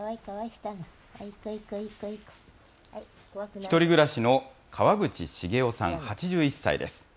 １人暮らしの川口茂代さん８１歳です。